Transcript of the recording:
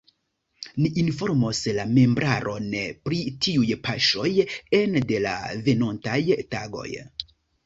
Ni informos la membraron pri tiuj paŝoj ene de la venontaj tagoj.